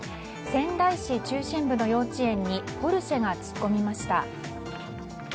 仙台市中心部の幼稚園にポルシェが突っ込みました。